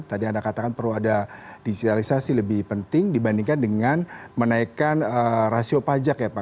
tadi anda katakan perlu ada digitalisasi lebih penting dibandingkan dengan menaikkan rasio pajak ya pak